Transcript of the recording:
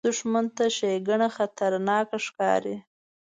دښمن ته ښېګڼه خطرناکه ښکاري